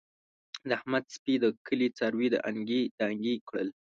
د احمد سپي د کلي څاروي دانګې دانګې کړل.